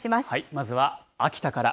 まずは秋田から。